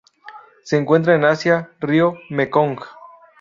Se encuentran en Asia: río Mekong.